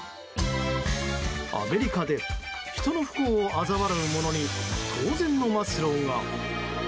アメリカで人の不幸をあざ笑う者に当然の末路が。